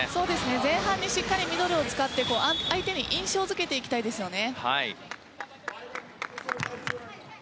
前半でしっかりミドルを使って相手に印象付けたいですね。